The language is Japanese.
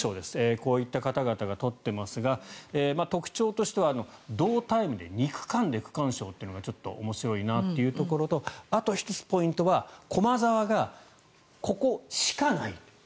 こういった方々が取っていますが特徴としては同タイムで２区間で区間賞というのがちょっと面白いなというところとあと１つ、ポイントは駒澤が、ここしかない。